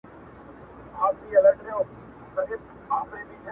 جنگ دی سوله نه اكثر.